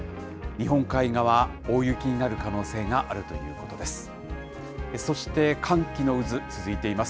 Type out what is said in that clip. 日本海側、大雪になる可能性があるということです。